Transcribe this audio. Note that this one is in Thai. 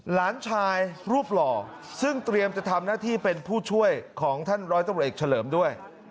หลานชายรูปหล่อซึ่งเตรียมจะทำหน้าที่เป็นผู้ช่วยของท่านร้อยตำรวจเอกเฉลิมด้วย